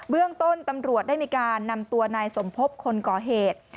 เรื่องต้นตำรวจได้มีการนำตัวนายสมพบคนก่อเหตุ